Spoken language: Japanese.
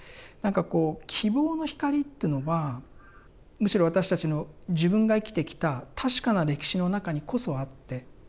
なんかこう希望の光っていうのはむしろ私たちの自分が生きてきた確かな歴史の中にこそあって。